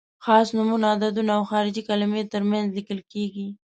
خاص نومونه، عددونه او خارجي کلمې تر منځ لیکل کیږي.